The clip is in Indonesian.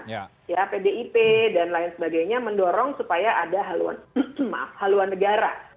ya pdip dan lain sebagainya mendorong supaya ada haluan maaf haluan negara